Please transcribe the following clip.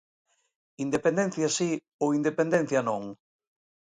¿Independencia si ou independencia non?